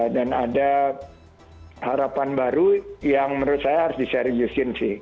dan ada harapan baru yang menurut saya harus diseriusin sih